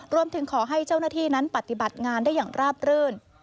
รวมถึงขอให้เจ้าหน้าที่นั้นปฏิบัติงานได้อย่างราบรื่น